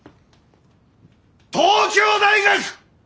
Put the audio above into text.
東京大学！